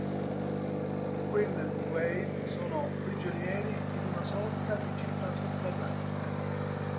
Quinn e Wade sono prigionieri in una sorta di città sotterranea.